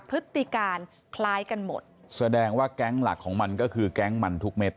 พฤติการคล้ายกันหมดแสดงว่าแก๊งหลักของมันก็คือแก๊งมันทุกเม็ด